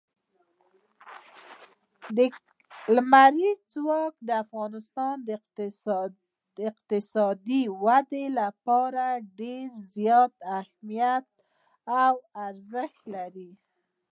لمریز ځواک د افغانستان د اقتصادي ودې لپاره ډېر زیات اهمیت او ارزښت لري.